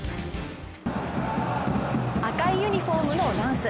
赤いユニフォームのランス。